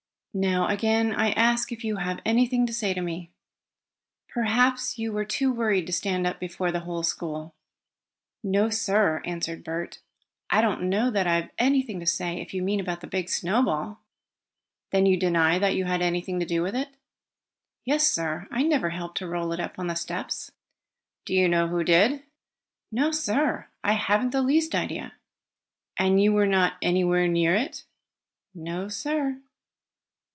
Now again, I ask if you have anything to say to me? Perhaps you were too worried to stand up before the whole school." "No, sir," answered Bert, "I don't know that I have anything to say, if you mean about the big snowball." "Then you deny that you had anything to do with it?" "Yes, sir. I never helped roll it on the steps." "Do you know who did?" "No, sir. I haven't the least idea." "And you were not anywhere near it?" "No, sir."